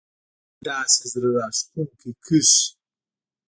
داسې زړه راښکونکې کرښې